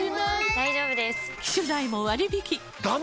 大丈夫です！